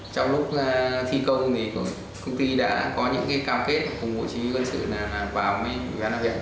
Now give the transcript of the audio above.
trong lúc thi công công ty đã có những cao kết cùng hội chí huy quân sự vào với văn hóa huyện